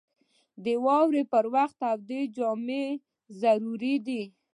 • د واورې پر وخت تودې جامې ضروري دي.